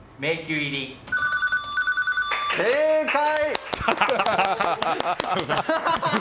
正解！